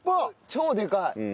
超でかい。